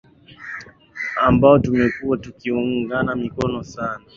ambao tumekuwa tukiunga mkono sana